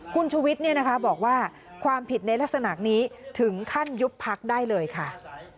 คุณชุวิตบอกว่าความผิดในลักษณะนี้ถึงขั้นยุบพักได้เลยค่ะ